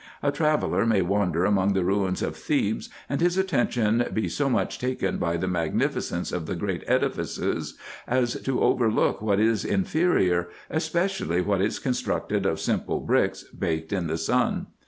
A traveller may wander among the ruins of Thebes, and his attention be so much taken by the magnificence of the great edifices, as to overlook what is inferior, especially what is constructed of simple bricks, baked in the sun.